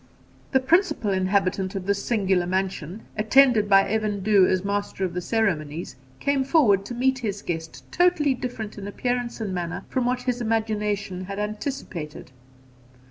The principal inhabitant of this singular mansion, attended by Evan Dhu as master of the ceremonies, came forward to meet his guest, totally different in appearance and manner from what his imagination had anticipated.